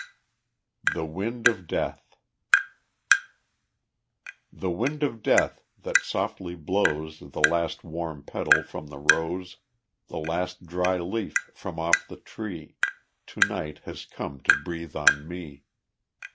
The Wind of Death The wind of death that softly blows The last warm petal from the rose, The last dry leaf from off the tree, To night has come to breathe on me.